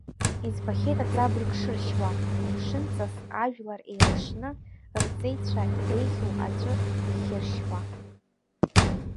Избахьеит аҵабырг шыршьуа, мшынҵас ажәлар еилашны, рҵеицәа иреиӷьу аҵәы ихьыршьуа…